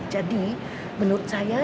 jadi menurut saya